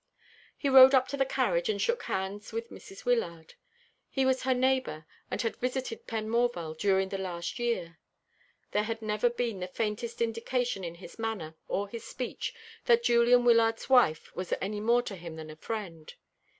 He rode up to the carriage and shook hands with Mrs. Wyllard. He was her neighbour, and had visited Penmorval during the last year. There had never been the faintest indication in his manner or his speech that Julian Wyllard's wife was any more to him than a friend.